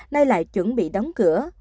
nay lại chuẩn bị đóng cửa